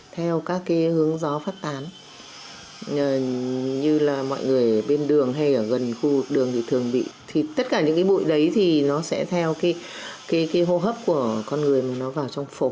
theo các cái hướng gió phát tán như là mọi người bên đường hay ở gần khu vực đường thì thường bị thì tất cả những cái bụi đấy thì nó sẽ theo cái hô hấp của con người mà nó vào trong phổi